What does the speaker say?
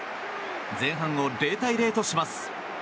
前半を０対０とします。